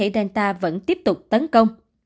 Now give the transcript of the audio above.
delta vẫn tiếp tục tấn công